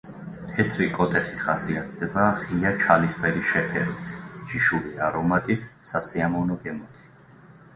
თეთრი „კოტეხი“ ხასიათდება ღია ჩალისფერი შეფერვით, ჯიშური არომატით, სასიამოვნო გემოთი.